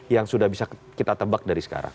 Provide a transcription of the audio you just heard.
yang sudah bisa kita tebak dari sekarang